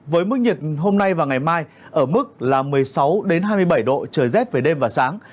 với mức nhiệt hôm nay và ngày mai ở mức là một mươi sáu đến hai mươi bảy độ trời rét với đêm và sáng